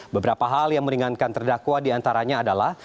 beberapa hal yang meringankan terdakwa diantaranya adalah